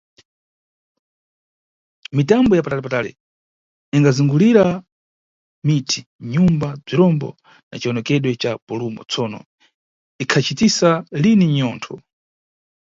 Mitambo ya patali-patali ikhazungulira miti, nyumba bzirombo na ciwonekedwe ca bhulumu, tsono ikhacitisa lini mnyontho.